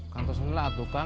kantong sendiri ada kan